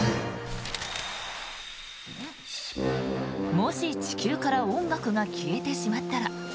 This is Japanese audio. もし、地球から音楽が消えてしまったら。